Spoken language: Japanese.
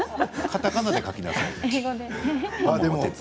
カタカナで書きなさい。